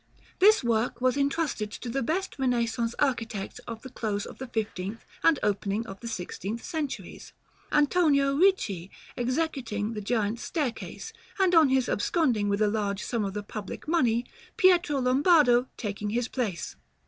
This work was entrusted to the best Renaissance architects of the close of the fifteenth and opening of the sixteenth centuries; Antonio Ricci executing the Giant's staircase, and on his absconding with a large sum of the public money, Pietro Lombardo taking his place.